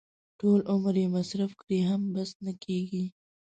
ټول عمر یې مصرف کړي هم بس نه کېږي.